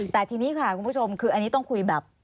แต่ทีนี้ค่ะคุณผู้ชมคืออันนี้ต้องคุยแบบ